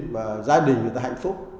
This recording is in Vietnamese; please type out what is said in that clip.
và gia đình người ta hạnh phúc